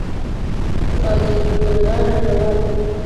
کواګې په کراره روان و.